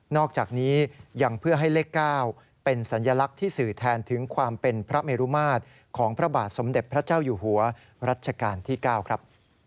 อกจากนี้ยังเพื่อให้เลข๙เป็นสัญลักษณ์ที่สื่อแทนถึงความเป็นพระเมรุมาตรของพระบาทสมเด็จพระเจ้าอยู่หัวรัชกาลที่๙ครับ